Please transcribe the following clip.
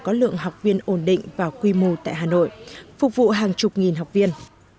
có lượng học viên ổn định và quy mô tại hà nội phục vụ hàng chục nghìn học viên